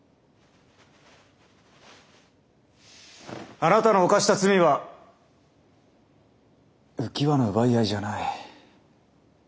あなたの犯した罪は浮き輪の奪い合いじゃない。